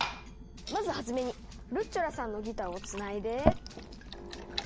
まずはじめにルッチョラさんのギターをつないで。